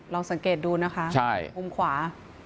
ลองสังเกตดูนะคะมุมขวา